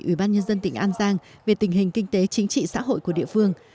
ủy ban nhân dân tỉnh an giang về tình hình kinh tế chính trị xã hội của địa phương